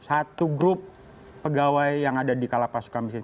satu grup pegawai yang ada di kalapas suka miskin